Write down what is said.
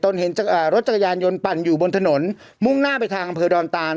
เห็นรถจักรยานยนต์ปั่นอยู่บนถนนมุ่งหน้าไปทางอำเภอดอนตาน